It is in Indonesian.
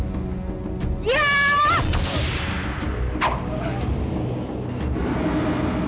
sudah virgo alasannya